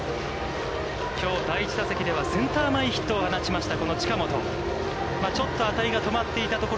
きょう、第１打席ではセンター前ヒットを放ちました